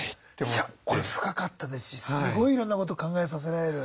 いやこれ深かったですしすごいいろんなこと考えさせられる。